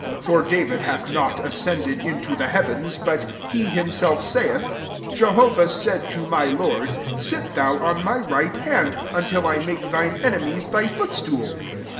34 For David hnih not ascended into the heavens: but he himself saith, * JehoTah said to my Lord, Sit thou on my right hand, 35 until I make thine enemies thy footstool.'